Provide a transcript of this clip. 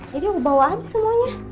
jadi aku bawa aja semuanya